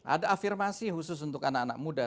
ada afirmasi khusus untuk anak anak muda